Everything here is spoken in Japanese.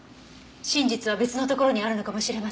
真実は別のところにあるのかもしれません。